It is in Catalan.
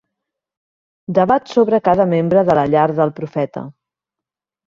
Debat sobre cada membre de la llar del Profeta.